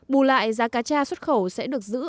bù lại giá cá tra xuất khẩu sẽ được giữ